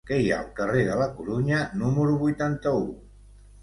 Què hi ha al carrer de la Corunya número vuitanta-u?